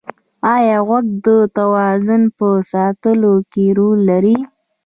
ایا غوږ د توازن په ساتلو کې رول لري؟